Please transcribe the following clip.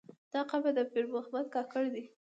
دا قبر د پیر محمد کاکړ دی.